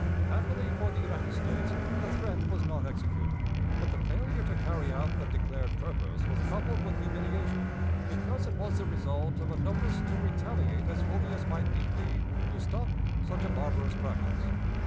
Happily for the United States, the threat was not executed, but the failure to carry out the declared purpose was coupled with humiliation, because it was the result of a notice to retaliate as fully as might need be to stop such a barbarous practice.